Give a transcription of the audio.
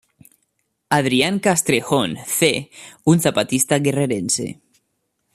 Adrián Castrejón C. Un zapatista guerrerense.